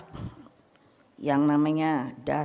saya suka detaki era gua dulu